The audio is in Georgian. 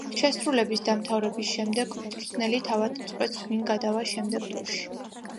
შესრულების დამთავრების შემდეგ მწვრთნელი თავად წყვეტს ვინ გადავა შემდეგ ტურში.